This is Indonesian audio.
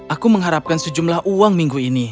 aku mengharapkan sejumlah uang minggu ini